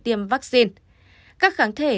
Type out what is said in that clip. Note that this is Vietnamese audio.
tiêm vaccine các kháng thể